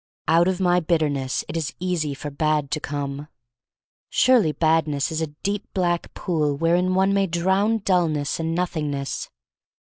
Out of my bitterness it is easy for bad to come. Surely Badness is a deep black pool wherein one may drown dullness and Nothingness.